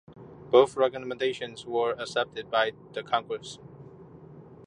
Both recommendations were accepted by the Congress.